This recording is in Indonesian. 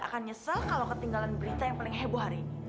akan nyesel kalau ketinggalan berita yang paling heboh hari ini